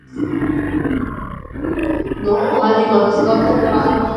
Se pueden diferenciar por medio de un ensayo de privación de agua.